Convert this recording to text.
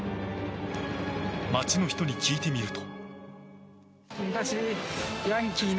街の人に聞いてみると。